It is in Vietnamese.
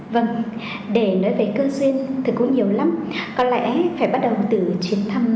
vâng để nói về cơ duyên thì cũng nhiều lắm có lẽ phải bắt đầu từ chuyến thăm